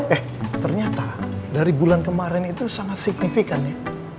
eh ternyata dari bulan kemarin itu sangat signifikan ya